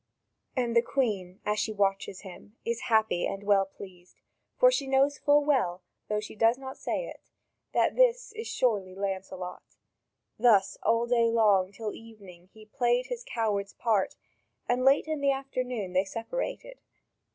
And the Queen, as she watches him, is happy and well pleased, for she knows full well, though she does not say it, that this is surely Lancelot. Thus all day long till evening he played his coward's part, and late in the afternoon they separated.